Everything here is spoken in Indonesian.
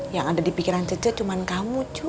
yang ada di pikiran cece cuman kamu cu